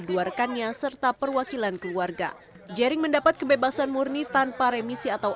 duarkannya serta perwakilan keluarga jaring mendapat kebebasan murni tanpa remisi atau